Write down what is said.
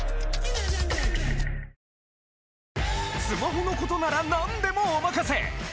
スマホのことならなんでもお任せ。